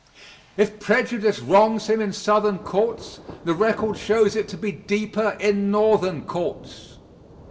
If prejudice wrongs him in Southern courts, the record shows it to be deeper in Northern courts.